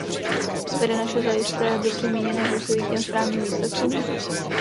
Vede naše zajisté dobře míněné úsilí k těm správným výsledkům?